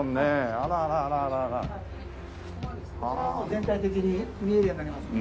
全体的に見えるようになります。